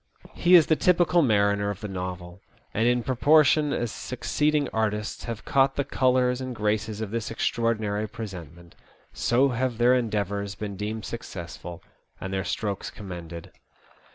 He is the typical mariner of the novel, and in proportion as succeeding artists have caught the colours and graces of this extraordinary presentment, so have their endeavours been deemed successful, and their strokes commended.